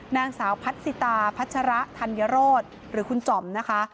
นางสาวพัชสิตาพัชระธันเยอะโรสหรือคุณจ่อมนะคะ